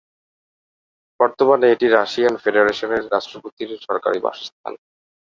বর্তমানে এটি রাশিয়ান ফেডারেশনের রাষ্ট্রপতির সরকারি বাসস্থান।